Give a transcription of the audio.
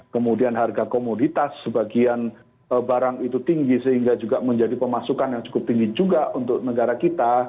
kemudian harga komoditas sebagian barang itu tinggi sehingga juga menjadi pemasukan yang cukup tinggi juga untuk negara kita